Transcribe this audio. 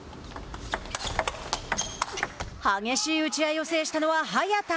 激しい打ち合いを制したのは早田。